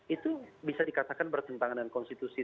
itu bisa dikatakan bertentangan dengan konstitusi